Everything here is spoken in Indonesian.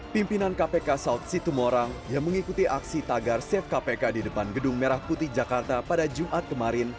pimpinan kpk saud situmorang yang mengikuti aksi tagar safe kpk di depan gedung merah putih jakarta pada jumat kemarin